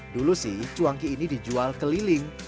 dulu sih cuangki ini dijual keliling